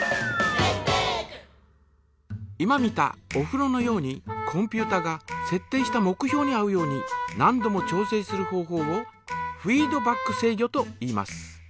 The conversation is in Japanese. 今見たおふろのようにコンピュータがせっ定した目標に合うように何度も調整する方法をフィードバック制御といいます。